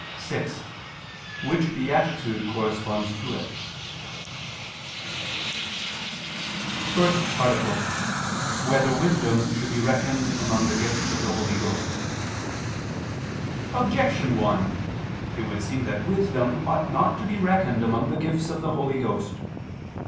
(6) Which beatitude corresponds to it? _______________________ FIRST ARTICLE [II II, Q. 45, Art. 1] Whether Wisdom Should Be Reckoned Among the Gifts of the Holy Ghost? Objection 1: It would seem that wisdom ought not to be reckoned among the gifts of the Holy Ghost.